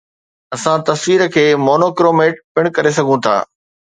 اسان تصوير کي مونوڪروميٽ پڻ ڪري سگهون ٿا